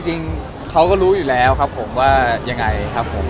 ก็จริงเค้าก็รู้อยู่แล้วว่ายังไงครับผม